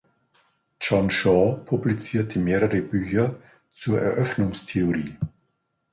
John Shaw publizierte mehrere Bücher zur Eröffnungstheorie.